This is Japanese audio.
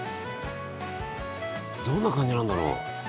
どんな感じなんだろう。